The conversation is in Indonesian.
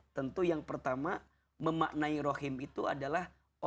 tentu yang pertama memaknai rahim itu adalah